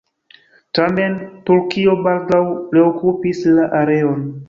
Tamen, Turkio baldaŭ reokupis la areon.